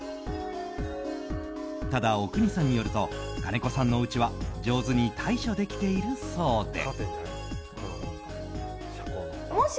ただ、阿国さんによると金子さんのおうちは上手に対処できているそうで。